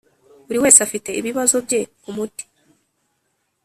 buri wese afite ibibazo bye k’umuti